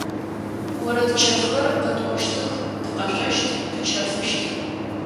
Орэд чэфхэр къэтӏощтых, тыкъэшъощт, тычэфыщт.